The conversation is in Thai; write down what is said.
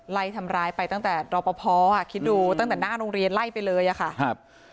ไล่ทำร้ายไปตั้งแต่รอปภอ่ะคิดดูตั้งแต่หน้าโรงเรียนไล่ไปเลยอะค่ะครับ